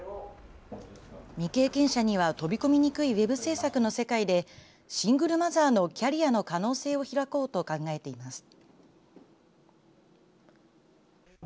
未経験者には飛び込みにくいウェブ制作の世界で、シングルマザーのキャリアの可能性を開こうと考えています。